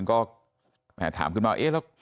ก็ถามขึ้นมาว่า